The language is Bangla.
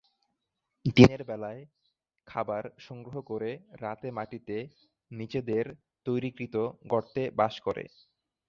দিনের বেলায় খাবার সংগ্রহ করে রাতে মাটিতে নিজেদের তৈরীকৃত গর্তে বাস করে।